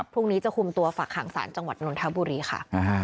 พรุ่งนี้จะคุมตัวฝากหางศาลจังหวัดนนทบุรีค่ะ